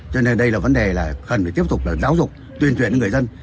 cho nên đây là vấn đề là cần tiếp tục giáo dục tuyên truyền người dân